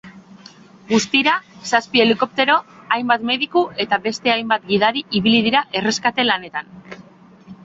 Guztira zazpi helikoptero, hainbat mediku eta beste hainbat gidari ibili dira erreskate-lanetan.